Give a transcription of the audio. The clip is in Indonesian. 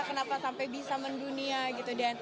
kenapa sampai bisa mendunia gitu